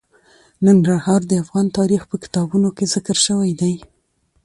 ننګرهار د افغان تاریخ په کتابونو کې ذکر شوی دي.